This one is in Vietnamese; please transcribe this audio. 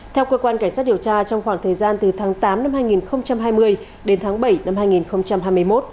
theo cơ quan cảnh sát điều tra trong khoảng thời gian từ tháng tám năm hai nghìn hai mươi đến tháng bảy năm hai nghìn hai mươi một